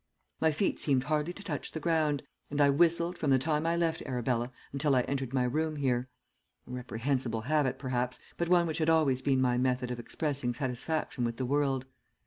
My feet seemed hardly to touch the ground, and I whistled from the time I left Arabella until I entered my room here, a reprehensible habit, perhaps, but one which had always been my method of expressing satisfaction with the world.